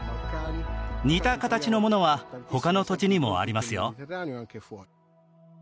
似た形のものはほかの土地にもありますよ